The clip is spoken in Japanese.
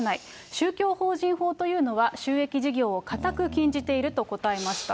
宗教法人法というのは、収益事業を固く禁じていると答えました。